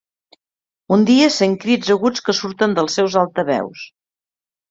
Un dia, sent crits aguts que surten dels seus altaveus.